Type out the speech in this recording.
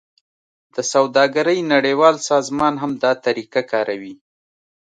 د سوداګرۍ نړیوال سازمان هم دا طریقه کاروي